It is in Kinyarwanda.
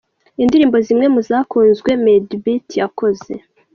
Indirimbo zimwe mu zakunzwe Madebeat yakoze.